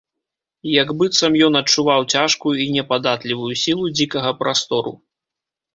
Як быццам ён адчуваў цяжкую і непадатлівую сілу дзікага прастору.